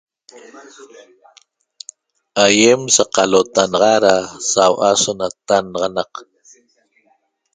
Ayem saqalota naxa da sahua so natanatannaxanac .